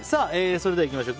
それではいきましょう。